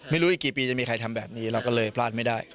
ไม่รู้อีกกี่ปีจะมีใครทำแบบนี้เราก็เลยพลาดไม่ได้